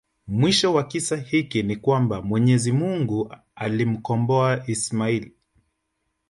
mwisho wa kisa hiki ni kwamba MwenyeziMungu alimkomboa Ismail